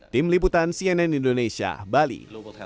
tim liputan cnn indonesia bali